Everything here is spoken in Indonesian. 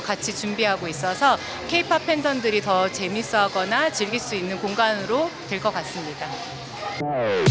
kami juga menyiapkan pandemik yang berlaku di dalam hari hari